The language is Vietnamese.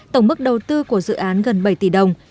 tổng mức đầu tư của dự án gần bảy tỷ đồng